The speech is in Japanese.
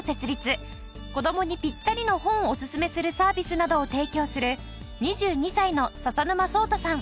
子どもにぴったりの本をおすすめするサービスなどを提供する２２歳の笹沼颯太さん。